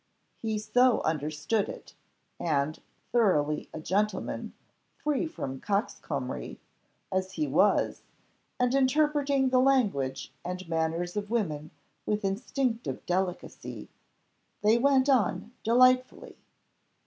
He so understood it, and, thoroughly a gentleman, free from coxcombry, as he was, and interpreting the language and manners of women with instinctive delicacy, they went on delightfully.